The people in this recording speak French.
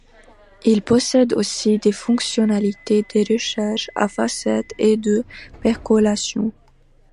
Il possède aussi des fonctionnalités de recherche à facettes et de percolation.